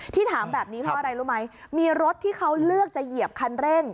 ถามแบบนี้เพราะอะไรรู้ไหมมีรถที่เขาเลือกจะเหยียบคันเร่ง